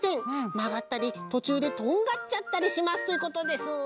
まがったりとちゅうでとんがっちゃったりします」ということです。